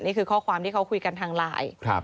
นี่คือข้อความที่เขาคุยกันหลาย